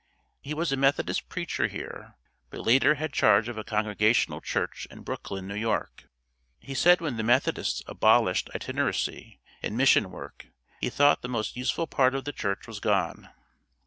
He was a Methodist preacher here, but later had charge of a Congregational church in Brooklyn, N. Y. He said when the Methodists abolished itinerancy and mission work, he thought the most useful part of the church was gone.